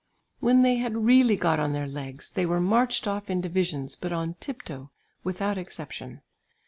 When they had really got on their legs, they were marched off in divisions but on tip toe without exception.